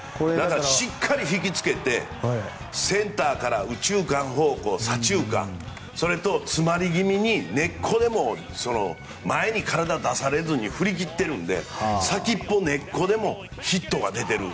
しっかり引き付けてセンターから右中間方向左中間、それと詰まり気味に根っこでも前に体を出されずに振り切っているので先っぽ、根っこでもヒットが出てる。